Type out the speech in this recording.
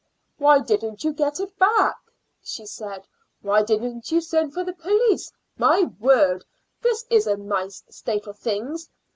"Why didn't you get it back?" she said. "Why didn't you send for the police? My word, this is a nice state of things!